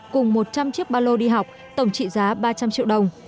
cùng một trăm linh chiếc ba lô đi học tổng trị giá ba trăm linh triệu đồng